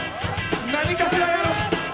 何かしらやろう。